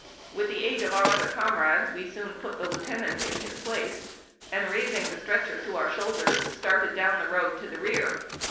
With the aid of our other comrades we soon put the lieutenant in his place, and, raising the stretcher to our shoulders, started down the road to the rear.